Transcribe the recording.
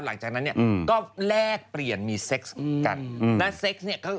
หลังจากนั้นเนี่ยก็แลกเปลี่ยนมีเซ็กส์กัน